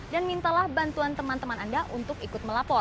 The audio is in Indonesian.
dan mintalah bantuan teman teman anda untuk ikut melapor